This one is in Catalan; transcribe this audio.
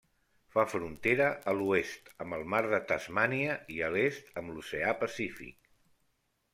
Fa frontera a l'oest amb el mar de Tasmània i a l'est amb l'oceà Pacífic.